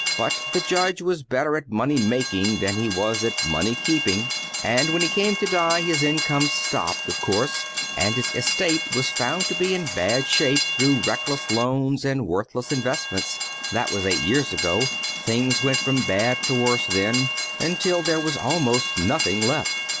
But the judge was better at money making than he was at money keeping, and when he came to die his income stopped, of course, and his estate was found to be in bad shape through reckless loans and worthless investments. That was eight years ago. Things went from bad to worse then, until there was almost nothing left."